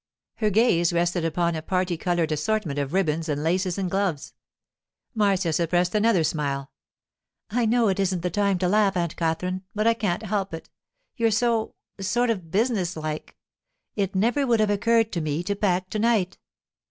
Her gaze rested upon a parti coloured assortment of ribbons and laces and gloves. Marcia suppressed another smile. 'I know it isn't the time to laugh, Aunt Katherine, but I can't help it. You're so—sort of businesslike. It never would have occurred to me to pack to night.